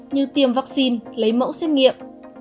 như tiêm vaccine lấy mẫu xét nghiệm